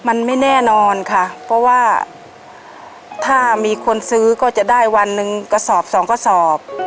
มันไม่แน่นอนค่ะเพราะว่าถ้ามีคนซื้อก็จะได้วันหนึ่งกระสอบสองกระสอบ